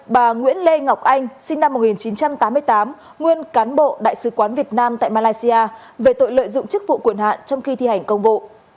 bà nguyễn lê ngọc anh sinh năm một nghìn chín trăm tám mươi tám nguyên cán bộ đại sứ quán việt nam tại malaysia về tội lợi dụng chức vụ quyền hạn trong khi thi hành công vụ